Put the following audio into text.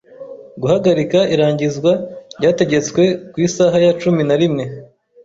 Guhagarika irangizwa ryategetswe ku isaha ya cumi na rimwe.